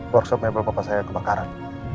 workshop mebel papa saya kebakaran